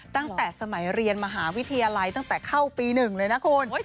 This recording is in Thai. ตั้งแต่สมัยเรียนมหาวิทยาลัยตั้งแต่เข้าปี๑เลยนะคุณ